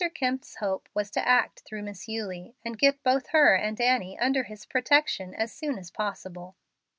Kemp's hope was to act through Miss Eulie, and get both her and Annie under his protection as soon as possible.